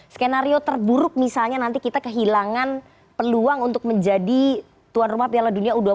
skenario terburuk misalnya nanti kita kehilangan peluang untuk menjadi tuan rumah piala dunia u dua puluh